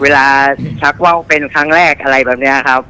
ชักว่าวเป็นครั้งแรกอะไรแบบนี้ครับ